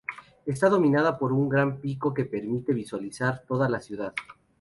Está dominada por un gran pico que permite visualizar toda la ciudad.